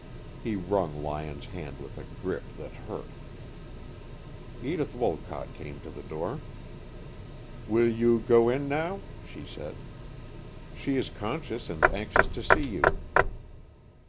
He wrung Lyon's hand with a grip that hurt. Edith Wolcott came to the door. "Will you go in now?" she said. "She is conscious and anxious to see you."